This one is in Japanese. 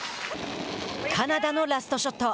カナダのラストショット。